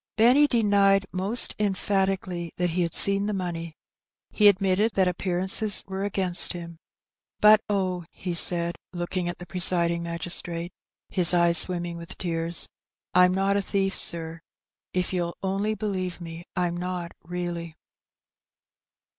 Benny denied most emphatically that he had seen the Pebes Again. 185 money : he admitted that appearances were againat him. "But, oh," he said, looldiig at the presiding mt^^tr&te> his eyes swimming with tears, "I'm not a tbief^ sir, if yoa'll on'y beheve itj I'm not, really."